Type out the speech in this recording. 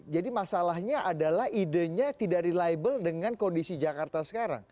jadi masalahnya adalah idenya tidak reliable dengan kondisi jakarta sekarang